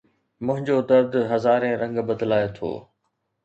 منهنجو درد هزارين رنگ بدلائي ٿو